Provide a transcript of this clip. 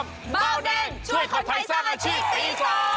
เบาแดงช่วยคนไทยสร้างอาชีพปี๒